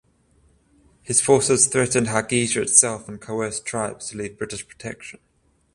His forces threatened Hargeisa itself and coerced tribes to leave British protection.